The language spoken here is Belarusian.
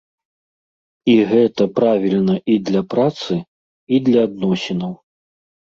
І гэта правільна і для працы, і для адносінаў.